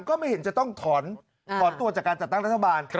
ก็ไม่เห็นจะต้องถอนตัวจากการจัดตั้งรัฐบาล